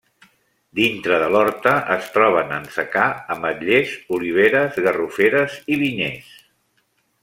Dintre de l'horta es troben en secà ametllers, oliveres, garroferes i vinyers.